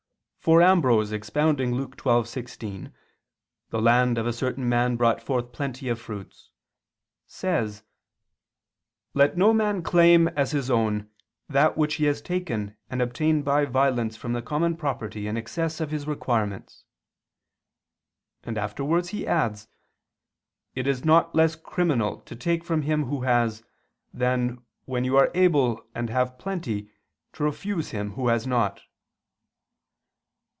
For Ambrose [*Basil, Serm. lxiv, de Temp., among the supposititious works of St. Jerome] expounding Luke 12:16, "The land of a certain ... man brought forth plenty of fruits," says: "Let no man claim as his own that which he has taken and obtained by violence from the common property in excess of his requirements"; and afterwards he adds: "It is not less criminal to take from him who has, than, when you are able and have plenty to refuse him who has not."